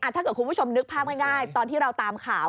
ถ้าเกิดคุณผู้ชมนึกภาพง่ายตอนที่เราตามข่าว